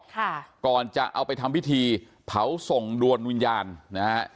ค่ะก่อนจะเอาไปทำพิธีเผาส่งดวนวิญญาณนะฮะ